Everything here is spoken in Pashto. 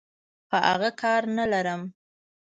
په اغه کار نلرم.